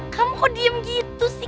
kamu mau diem gitu sih